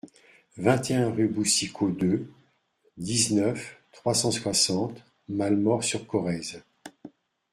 vingt et un rue Boussicot deux, dix-neuf, trois cent soixante, Malemort-sur-Corrèze